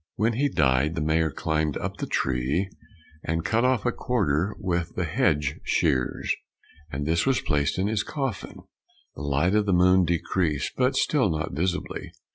When he died, the mayor climbed up the tree, and cut off a quarter with the hedge shears, and this was placed in his coffin. The light of the moon decreased, but still not visibly.